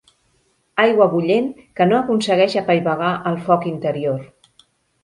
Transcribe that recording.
Aigua bullent que no aconsegueix apaivagar el foc interior.